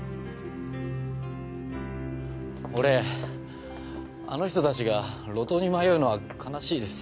俺あの人たちが路頭に迷うのは悲しいです。